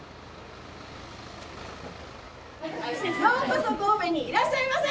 ようこそ神戸にいらっしゃいませ！